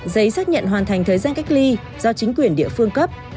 giấy xác nhận hoàn thành thời gian cách ly do chính quyền địa phương cấp